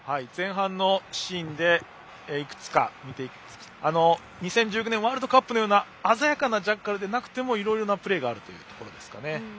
前半のシーンでいくつか見ていくと２０１９年のワールドカップのような鮮やかなジャッカルじゃなくてもいろいろなプレーがあると。